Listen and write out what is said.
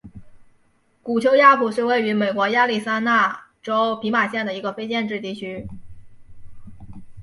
古丘亚普是位于美国亚利桑那州皮马县的一个非建制地区。